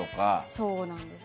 そうなんです。